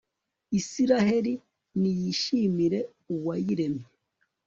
israheli niyishimire uwayiremye